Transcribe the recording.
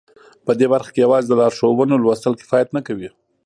په دې برخه کې یوازې د لارښوونو لوستل کفایت نه کوي